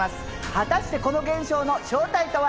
果たしてこの現象の正体とは？